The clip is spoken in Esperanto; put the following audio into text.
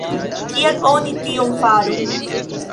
Kiel oni tion faru?